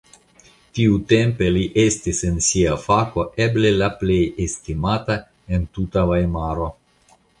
Tiutempe li estis en sia fako eble la plej estimata en tuta Vajmaro.